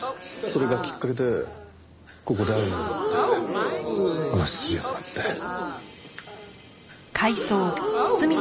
それがきっかけでここで会うようになって話をするようになって。